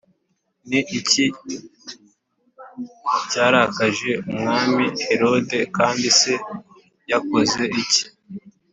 Ni iki cyarakaje Umwami Herode kandi se yakoze iki